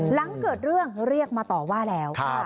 หลังเกิดเรื่องเรียกมาต่อว่าแล้ว